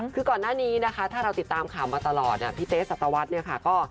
คือก่อนหน้านี้นะคะถ้าเราติดตามข่าวมาตลอดเนี่ยพี่เต๊สัตวรรษเนี่ยค่ะ